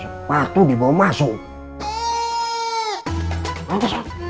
sepatu dibawa masuk